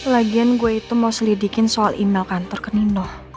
lagian gue itu mau selidikin soal email kantor ke nino